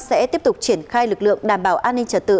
sẽ tiếp tục triển khai lực lượng đảm bảo an ninh trật tự